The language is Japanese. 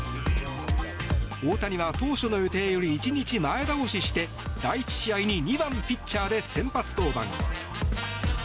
大谷は当初の予定より１日前倒しして第１試合に２番ピッチャーで先発登板。